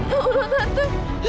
tuhan atas aku